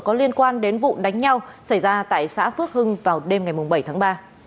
có liên quan đến vụ đánh nhau xảy ra tại xã phước hưng vào đêm ngày bảy tháng ba